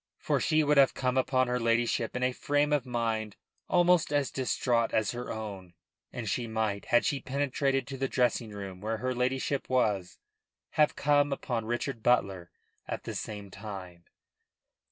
For she would have come upon her ladyship in a frame of mind almost as distraught as her own; and she might had she penetrated to the dressing room where her ladyship was have come upon Richard Butler at the same time.